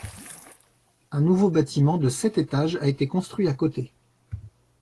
Un nouveau bâtiment de sept étages a été construit à côté.